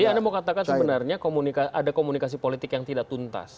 jadi anda mau katakan sebenarnya ada komunikasi politik yang tidak tuntas